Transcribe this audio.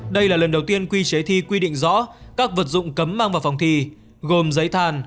đây là lần đầu tiên quy chế thi quy định rõ các vật dụng cấm mang vào phòng thi gồm giấy thàn